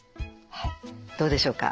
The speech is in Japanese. どうでしょうか。